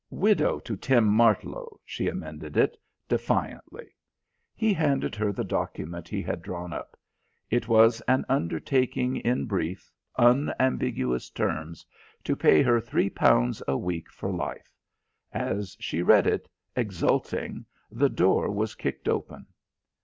"Widow to Tim Martlow," she amended it, defiantly. He handed her the document he had drawn up. It was an undertaking in brief, unambiguous terms to pay her three pounds a week for life. As she read it, exulting, the door was kicked open.